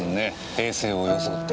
平静を装って。